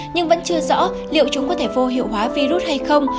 nhưng vẫn chưa rõ liệu chúng có thể vô hiệu hóa virus hay không